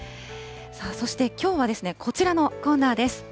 そしてきょうはですね、こちらのコーナーです。